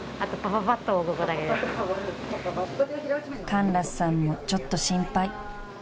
［カンラスさんもちょっと心配］